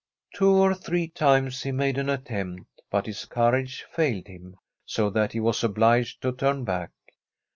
Two or three times he made an attempt, but his courage failed him, so that he was obliged to turn back.